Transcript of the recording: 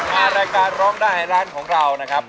รายการร้องได้ให้ร้านของเรานะครับ